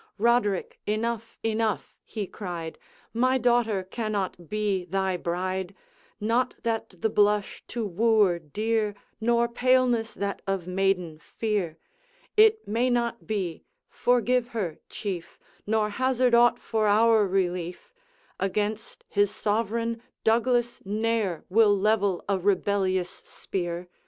'Roderick, enough! enough!' he cried, 'My daughter cannot be thy bride; Not that the blush to wooer dear, Nor paleness that of maiden fear. It may not be, forgive her, Chief, Nor hazard aught for our relief. Against his sovereign, Douglas ne'er Will level a rebellious spear.